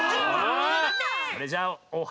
それじゃあ「オハ！